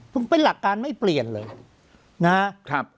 มันเป็นหลักการไม่เปลี่ยนเลยนะครับ